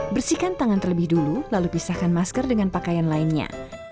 bersihkan tangan terlebih dulu lalu pisahkan masker dengan pakaian lainnya